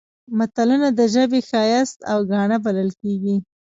متلونه د ژبې ښایست او ګاڼه بلل کیږي